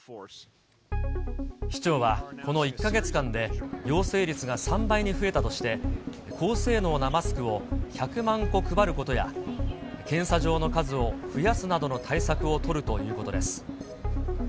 市長はこの１か月間で陽性率が３倍に増えたとして、高性能なマスクを１００万個配ることや、検査場の数を増やすなどの対策を取るということです。